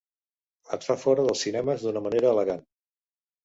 Et fa fora dels cinemes d'una manera elegant.